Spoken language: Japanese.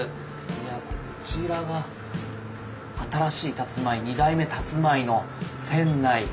こちらが新しいたつまい二代目たつまいの船内。